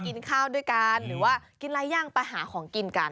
กินข้าวด้วยกันหรือว่ากินลายย่างไปหาของกินกัน